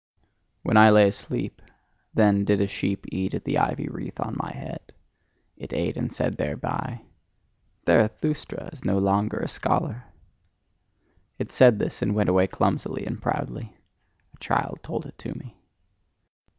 When I lay asleep, then did a sheep eat at the ivy wreath on my head, it ate, and said thereby: "Zarathustra is no longer a scholar." It said this, and went away clumsily and proudly. A child told it to me.